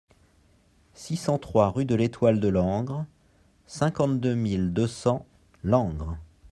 six cent trois rue de l'Étoile de Langres, cinquante-deux mille deux cents Langres